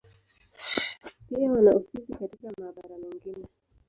Pia wana ofisi katika mabara mengine.